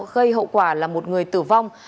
gây hậu quả là một người tử vong